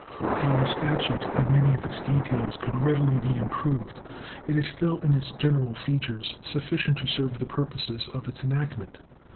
While the statute, in many of its details, could readily be improved, it is still, in its general features, sufficient to serve the purposes of its enactment.